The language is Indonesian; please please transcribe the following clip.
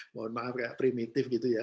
mohon maaf kayak primitif gitu ya